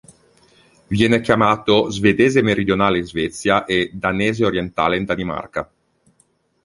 Viene chiamato "Svedese meridionale" in Svezia e "Danese orientale" in Danimarca.